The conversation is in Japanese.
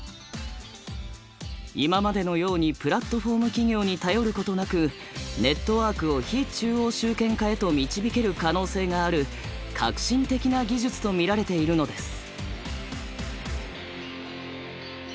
今までのようにプラットフォーム企業に頼ることなくネットワークを非中央集権化へと導ける可能性がある革新的な技術と見られているのです。